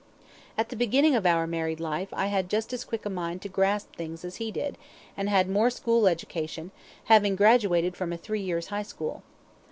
At the beginning of our married life I had just as quick a mind to grasp things as he did, and had more school education, having graduated from a three years' high school.